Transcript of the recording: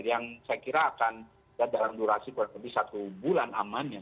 yang saya kira akan dalam durasi kurang lebih satu bulan amannya